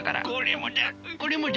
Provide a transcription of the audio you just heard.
これもだ！